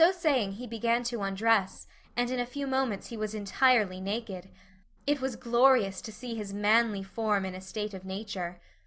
So saying he began to undress, and in a few moments he was entirely naked. It was glorious to see his manly form in a state of nature.